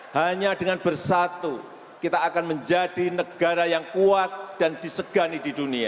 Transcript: hanya dengan bersatu kita akan menjadi negara yang kuat dan disegani di dunia